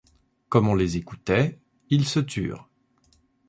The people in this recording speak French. Comme on les écoutait, ils se turent.